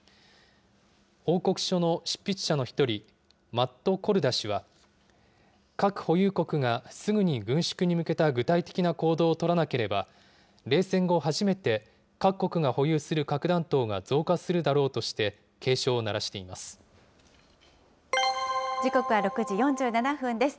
報告書の執筆者の一人、マット・コルダ氏は、核保有国がすぐに軍縮に向けた具体的な行動を取らなければ、冷戦後、初めて、各国が保有する核弾頭が増加するだろうとして、時刻は６時４７分です。